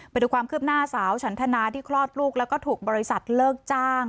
ไปดูความคืบหน้าสาวฉันทนาที่คลอดลูกแล้วก็ถูกบริษัทเลิกจ้าง